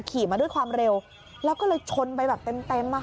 ขี่มาด้วยความเร็วแล้วก็เลยชนไปแบบเต็ม